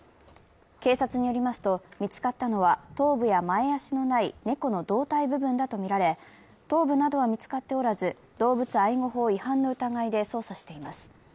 警察によりますと、見つかったのは頭部や前足のない猫の胴体部分だとみられ頭部などは見つかっておらず動物愛護法違反の疑いで捜査しています。